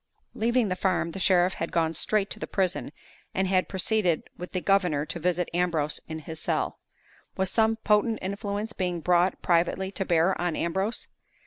Leaving the farm, the sheriff had gone straight to the prison, and had proceeded with the governor to visit Ambrose in his cell. Was some potent influence being brought privately to bear on Ambrose?